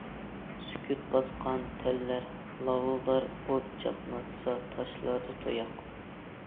سۈكۈت باسقان تەنلەر لاۋۇلدار، ئوت چاقناتسا تاشلاردا تۇياق.